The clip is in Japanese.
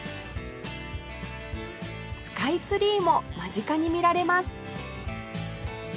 スカイツリーも間近に見られます